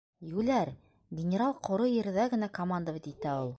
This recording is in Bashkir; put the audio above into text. - Йүләр, генерал ҡоро ерҙә генә командовать итә ул.